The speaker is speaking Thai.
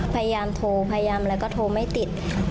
พยายามโทรพยายามอะไรก็โทรไม่ติด